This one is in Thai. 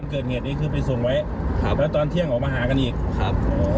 เกิดเหตุนี้คือไปส่งไว้ครับแล้วตอนเที่ยงออกมาหากันอีกครับ